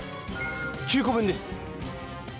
９こ分です！